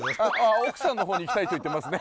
奥さんのほうに行きたいって言ってますね。